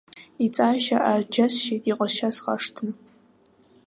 Иҵаашьа ааџьасшьеит, иҟазшьа схашҭны.